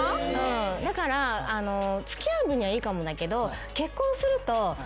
だから付き合う分にはいいかもだけど。